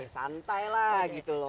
santai lah gitu loh